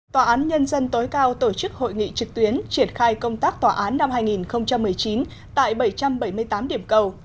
tòa án nhân dân tối cao tổ chức hội nghị trực tuyến triển khai công tác tòa án năm hai nghìn một mươi chín tại bảy trăm bảy mươi tám điểm cầu